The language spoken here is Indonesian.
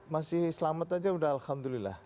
masih selamat saja sudah alhamdulillah